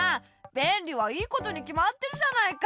べんりはいいことにきまってるじゃないか。